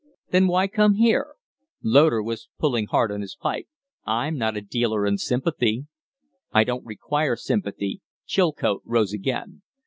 "Then why come here?" Loder was pulling hard on his pipe. "I'm not a dealer in sympathy." "I don't require sympathy." Chilcote rose again.